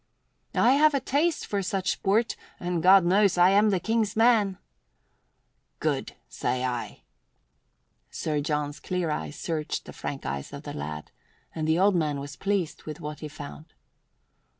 "I have a taste for such sport, and God knows I am the King's man." "Good, say I!" Sir John's clear eyes searched the frank eyes of the lad, and the old man was pleased with what he found.